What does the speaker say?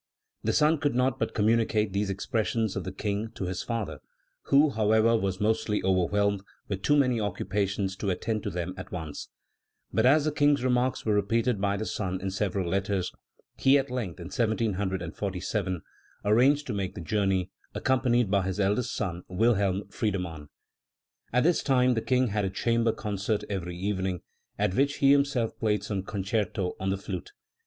The son could not but communicate these expressions of the King to his father, who, however, was mostly overwhelmed with too many occupations to attend to them at once. But as the King's remarks were repeated by the son in several letters, he at length, in 1747, * Scherer, /. 5. Backs Aufenthalt in Cassel, in Eitner's Monats hefte fur Musikgeschichte, 1893. Journeys during the Leipzig Period. 177 arranged to make the journey, accompanied by his eldest son, Wilhelm Friedemann. At this time the King had a chamber con cert every evening, at which he himself played some concerto on the flute.